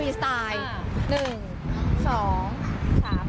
อีกนิดหนึ่งงาน